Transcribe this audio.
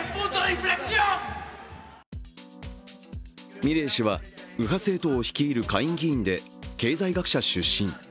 ミレイ氏は右派政党を率いる下院議員で経済学者出身。